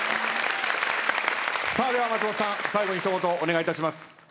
では松本さん最後に一言お願いいたします。